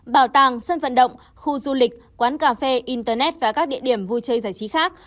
bảo tàng sân vận động khu du lịch quán cà phê internet và các địa điểm vui chơi giải trí khác